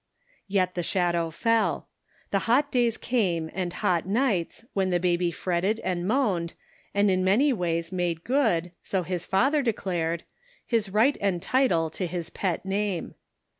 Yet the shadow fell. The hot days came and hot nights, when baby fretted and moaned, and in many ways made good — so his father declared — his right and title to his pet name.